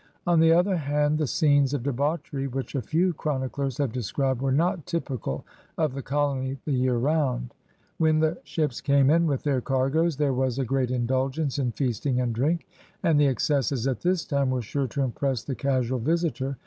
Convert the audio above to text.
On the other hand, the scenes of debauchery which a few chroniclers have described were not typical of the colony the year roimd. When the HOW THE PEOPLE LIVED 217 ships came in with their cargoes, there was a great indulgence in feasting and drink, and the excesses at this time were sure to impress the casual visitor.